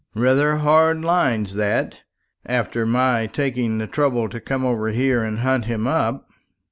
Rather hard lines that, after my taking the trouble to come over here and hunt him up."